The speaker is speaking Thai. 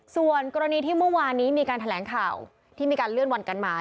ส่วนกรณีที่เมื่อวานนี้มีการแถลงข่าวที่มีการเลื่อนวันกันมา